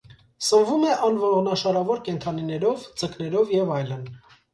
Սնվում է անողնաշարավոր կենդանիներով, ձկներով և այլն։